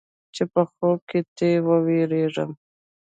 چې په خوب کې تې وېرېږم.